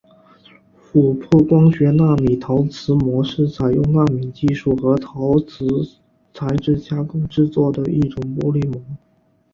琥珀光学纳米陶瓷膜是采用纳米技术和陶瓷材质加工制作的一种玻璃膜。